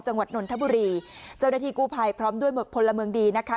จังหวัดนทะบุรีเจ้าหน้าที่กู้ภัยพร้อมด้วยหมดผลเมืองดีนะคะ